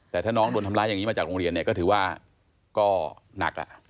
แต่ถ้าน้องโดนทำร้ายอย่างนี้มาจากโรงเรียนเนี่ยก็ถือว่าก็หนัก